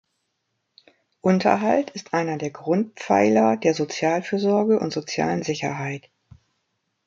Unterhalt ist einer der Grundpfeiler der Sozialfürsorge und sozialen Sicherheit.